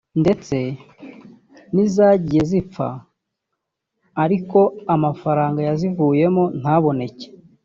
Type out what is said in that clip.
ndetse n’izagiye zipfa ariko amafaranga yazivuyemo ntaboneke